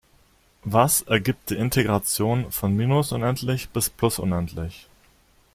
Was ergibt die Integration von minus unendlich bis plus unendlich?